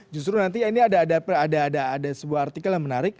justru nanti ini ada sebuah artikel yang menarik